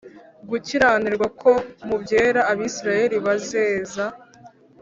gukiranirwa ko mu byera Abisirayeli bazeza